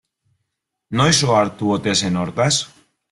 Noiz ohartu ote zen hortaz?